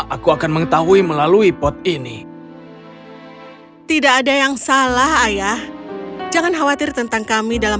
aku akan mengetahui melalui pot ini tidak ada yang salah ayah jangan khawatir tentang kami dalam